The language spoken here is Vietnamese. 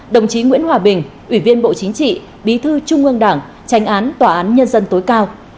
đồng chí nguyễn hòa bình ủy viên bộ chính trị bí thư trung ương đảng tranh án tòa án nhân dân tối cao